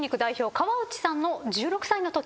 河内さんの１６歳のとき。